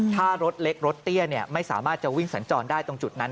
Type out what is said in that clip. ถ้ารถเล็กรถเตี้ยไม่สามารถจะวิ่งสัญจรได้ตรงจุดนั้น